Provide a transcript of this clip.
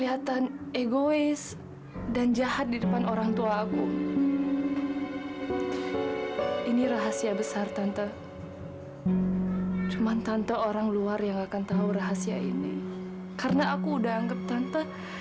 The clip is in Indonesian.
after itu bukan yang tidak punya hati ya lebih baik kamu tinggal saja disini daripada kamu tinggal